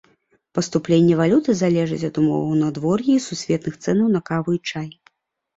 Паступленне валюты залежыць ад умоваў надвор'я і сусветных цэнаў на каву і чай.